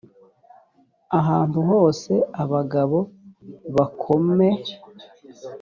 ahantu hose abagabo bakome